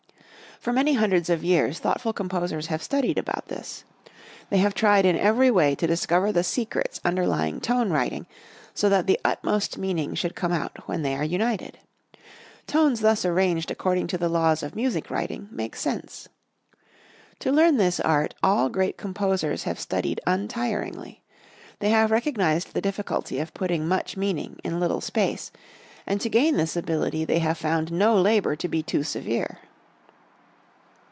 For many hundreds of years thoughtful composers have studied about this. They have tried in every way to discover the secrets underlying tone writing so that the utmost meaning should come out when they are united. Tones thus arranged according to the laws of music writing make sense. To learn this art all great composers have studied untiringly. They have recognized the difficulty of putting much meaning in little space, and to gain this ability they have found no labor to be too severe.